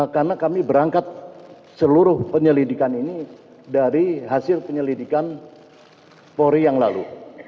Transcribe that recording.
karena kami berangkat seluruh penyelidikan ini dari hasil penyelidikan pori yang lalu